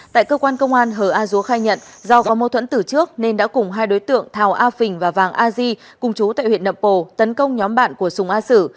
tại cơ quan công an hờ a dúa khai nhận do có mâu thuẫn tử trước nên đã cùng hai đối tượng thảo a phình và vàng a di cùng chú tại huyện nậm pồ tấn công nhóm bạn của sùng a sử